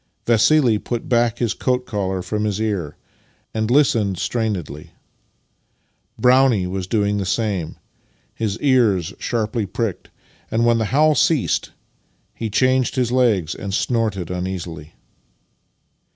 Vassili put back his coat collar from his ear and listened strainedly. Brownie was doing the same, his ears sharply pricked, and when the howl ceased he changed his legs and snorted imeasily.